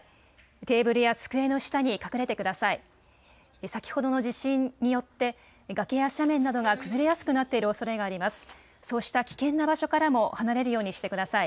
テーブルや机の下に隠れてください。